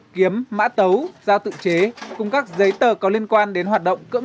khiến khám xét nơi ở của thái quốc thanh và đồng bọn